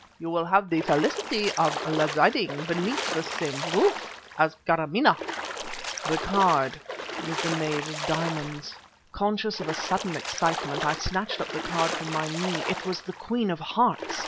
You will have the felicity of residing beneath the same roof with Kâramaneh." The card was the Knave of Diamonds. Conscious of a sudden excitement, I snatched up the card from my knee. It was the Queen of Hearts!